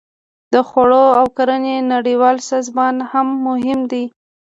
د خوړو او کرنې نړیوال سازمان هم مهم دی